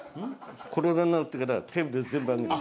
コロナになってからテーブル全部上げた。